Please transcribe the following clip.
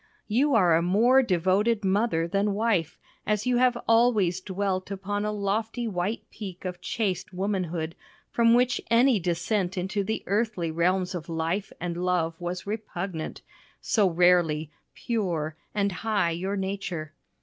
You are a more devoted mother than wife, as you have always dwelt upon a lofty white peak of chaste womanhood, from which any descent into the earthly realms of life and love was repugnant so rarely "pure" and high your nature.